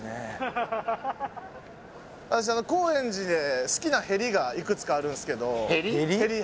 私あの高円寺で好きなヘリがいくつかあるんですけどヘリ？